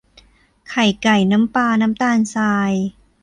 ไข่ไก่ น้ำปลา น้ำตาลทราย